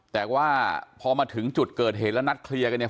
แต่ว่าพอมาถึงจุดเกิดเหตุแล้วนัดเคลียร์กันเนี่ย